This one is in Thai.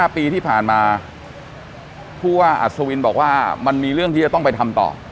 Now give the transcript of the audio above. ๕ปีที่ผ่านมาผู้ว่าอัศวินบอกว่ามันมีเรื่องที่จะต้องไปทำต่อ